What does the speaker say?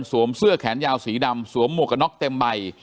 เสื้อแขนยาวสีดำสวมหมวกกระน็อกเต็มใบ